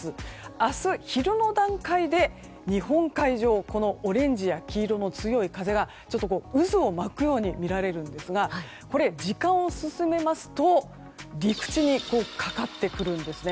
明日昼の段階で、日本海上オレンジや黄色の強い風が渦を巻くように見られるんですが時間を進めますと陸地にかかってくるんですね。